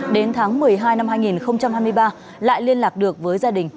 đến tháng một mươi hai năm hai nghìn hai mươi ba lại liên lạc được với gia đình